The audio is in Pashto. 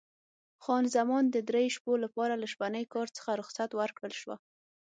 خان زمان د درې شپو لپاره له شپني کار څخه رخصت ورکړل شوه.